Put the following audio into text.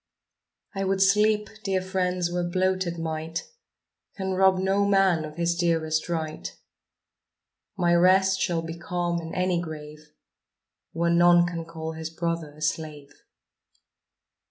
I would sleep, dear friends, where bloated might Can rob no man of his dearest right; My rest shall be calm in any grave Where none can call his brother a slave.